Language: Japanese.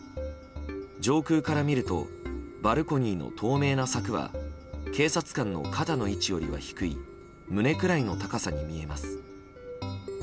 上空から見るとバルコニーの透明な柵は警察官の肩の位置よりは低い胸くらいの高さに見えます。